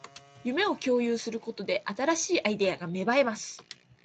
夢を共有することで、新しいアイデアが芽生えます